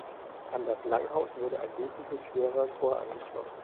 An das Langhaus wurde ein wesentlich höherer Chor angeschlossen.